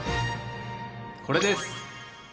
これです！